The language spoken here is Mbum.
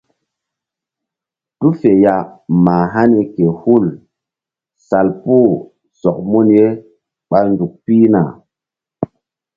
Tu fe ya ma hani ke hul salpu sɔk mun ye ɓa nzuk pihna.